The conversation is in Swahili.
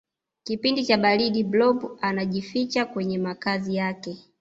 kipindi cha baridi blob anajificha kwenye makazi yake